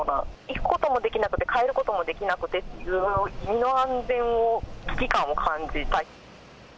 行くこともできなくて、帰ることもできなくってていう、身の安全を、危機感を感じた。